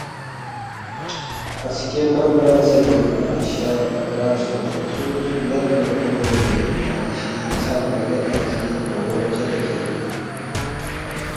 ہسکے نم لنگسے ن٘ئی بادشاہ اقرار سونگس نہ سونگ مید نہ کھون٘ی ن٘ئی بادشی کَھر لہ مے تنگسے بون٘و چدے کھیربی اِن